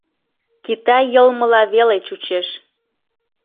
Китай йылмыла веле чучеш.